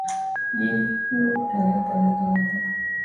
尼斯模型是一个太阳系动力演化理论。